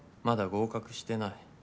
まだ合格してない。